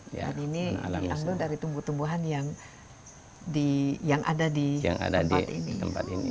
dan ini diandung dari tumbuh tumbuhan yang ada di tempat ini